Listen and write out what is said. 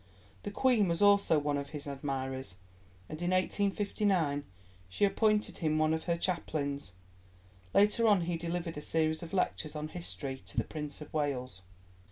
The Queen was also one of his admirers, and in 1859 she appointed him one of her chaplains. Later on he delivered a series of lectures on history to the Prince of Wales.